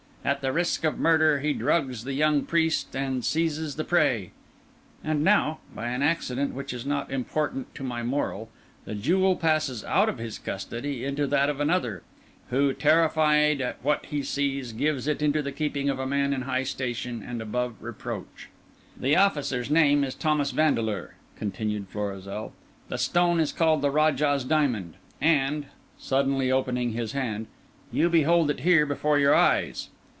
At the risk of murder, he drugs the young priest and seizes the prey. And now, by an accident which is not important to my moral, the jewel passes out of his custody into that of another, who, terrified at what he sees, gives it into the keeping of a man in high station and above reproach. "The officer's name is Thomas Vandeleur," continued Florizel. "The stone is called the Rajah's Diamond. And"—suddenly opening his hand—"you behold it here before your eyes."